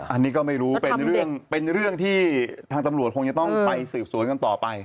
อันนี้ก็ไม่รู้เป็นเรื่องเป็นเรื่องที่ทางตำรวจคงจะต้องไปสืบสวนกันต่อไป